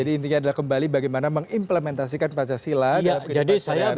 jadi intinya adalah kembali bagaimana mengimplementasikan pancasila dalam kehidupan sehari hari